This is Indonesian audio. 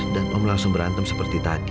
om langsung berantem seperti tadi